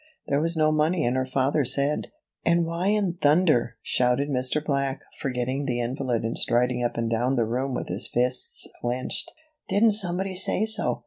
There was no money and her father said " "And why in thunder," shouted Mr. Black, forgetting the invalid and striding up and down the room with his fists clenched, "didn't somebody say so?